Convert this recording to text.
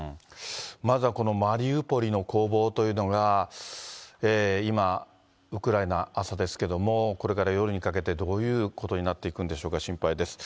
まずはこのマリウポリの攻防というのが今、ウクライナ、朝ですけれども、これから夜にかけてどういうことになっていくんでしょうか、心配です。